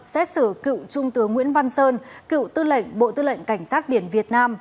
xét xử cựu trung tướng nguyễn văn sơn cựu tư lệnh bộ tư lệnh cảnh sát biển việt nam